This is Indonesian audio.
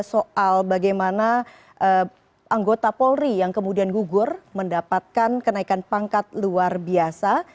soal bagaimana anggota polri yang kemudian gugur mendapatkan kenaikan pangkat luar biasa